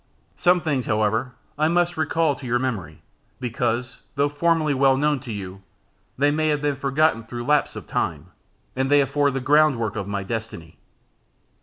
Some things, however, I must recall to your memory, because, though formerly well known to you, they may have been forgotten through lapse of time, and they afford the ground work of my destiny.